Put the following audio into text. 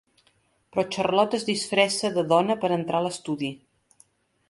Però Charlot es disfressa de dona per entrar a l'estudi.